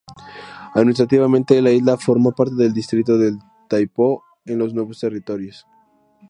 Administrativamente, la isla forma parte del distrito de Tai Po, en los Nuevos Territorios.